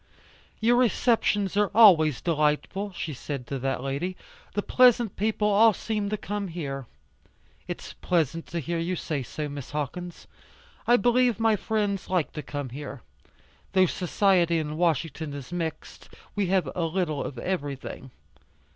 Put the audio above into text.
"Your receptions are always delightful," she said to that lady, "the pleasant people all seem to come here." "It's pleasant to hear you say so, Miss Hawkins. I believe my friends like to come here. Though society in Washington is mixed; we have a little of everything."